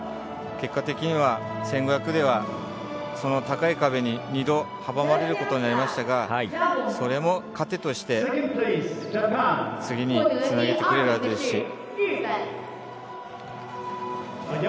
結果的には、１５００ではその高い壁に２度阻まれることになりましたがそれも糧として次につなげてくれるはずですし。